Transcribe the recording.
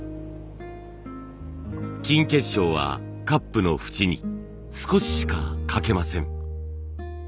金結晶はカップの縁に少ししかかけません。